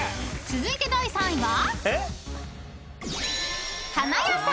［続いて第４位は？］